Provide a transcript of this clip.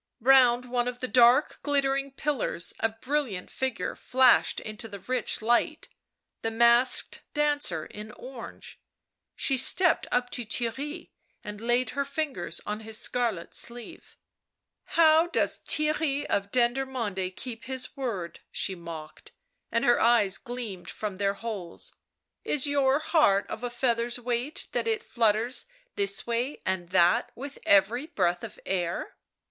Round one of the dark glittering pillars a brilliant figure flashed into the rich light. The masked dancer in orange. She stepped up to Theirry and laid her fingers on his scarlet sleeve. " How does Theirry of Denderjnonde keep his word!" she mocked, and her eyes gleamed from their holes; "is your heart of a feather's weight that it flutters this way and that with every breath of air